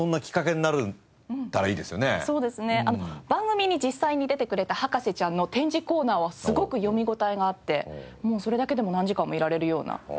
番組に実際に出てくれた博士ちゃんの展示コーナーはすごく読み応えがあってそれだけでも何時間もいられるような。